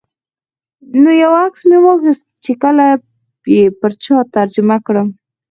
نو یو عکس مې واخیست چې کله یې پر چا ترجمه کړم.